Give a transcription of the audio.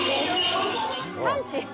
産地。